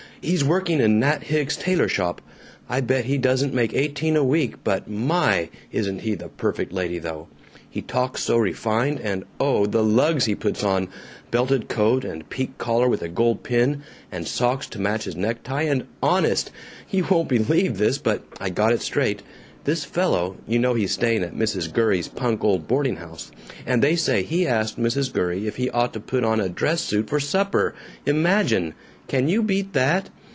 He's working in Nat Hicks's tailor shop. I bet he doesn't make eighteen a week, but my! isn't he the perfect lady though! He talks so refined, and oh, the lugs he puts on belted coat, and pique collar with a gold pin, and socks to match his necktie, and honest you won't believe this, but I got it straight this fellow, you know he's staying at Mrs. Gurrey's punk old boarding house, and they say he asked Mrs. Gurrey if he ought to put on a dress suit for supper! Imagine! Can you beat that?